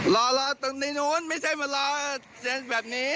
รอตรงนี้นู้นไม่ใช่มารอแบบนี้